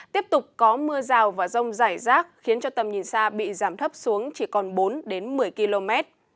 tiếp tục có mưa rào và rông rải rác khiến cho tầm nhìn xa bị giảm thấp xuống chỉ còn bốn đến một mươi km